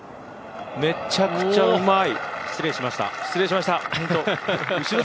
めちゃくちゃうまい。